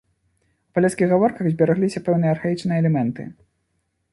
У палескіх гаворках зберагліся пэўныя архаічныя элементы.